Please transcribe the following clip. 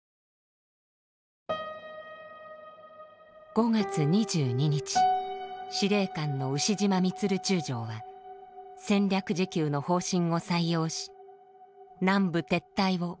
５月２２日司令官の牛島満中将は戦略持久の方針を採用し南部撤退を決断しました。